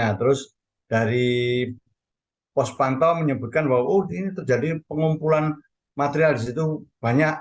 nah terus dari pos pantau menyebutkan bahwa oh ini terjadi pengumpulan material di situ banyak